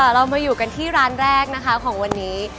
เรามาอยู่กันที่ร้านแรกนะคะของวันนี้